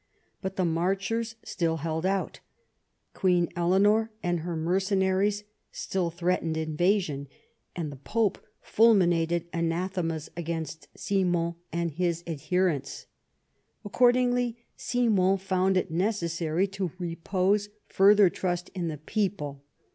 But the Marchers still held out ; Queen Eleanor and her mercenaries still threatened invasion, and the pope fulminated anathemas against Simon and his adherents. Accordingly Simon found it necessary to repose further trust in the people.